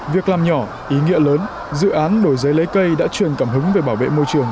việc làm nhỏ ý nghĩa lớn dự án đổi giấy lấy cây đã truyền cảm hứng về bảo vệ môi trường